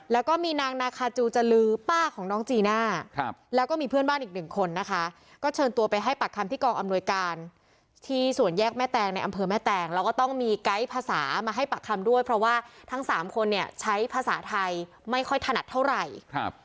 แล้วก็มีนางนาคาจูจรือป้าของน้องจีน่าแล้วก็มีเพื่อนบ้านอีกหนึ่งคนนะคะก็เชิญตัวไปให้ปากคำที่กองอำนวยการที่ส่วนแยกแม่แตงในอำเภอแม่แตงแล้วก็ต้องมีไกด์ภาษามาให้ปากคำด้วยเพราะว่าทั้งสามคนเนี่ยใช้ภาษาไทยไม่ค่อยถนัดเท่าไหร่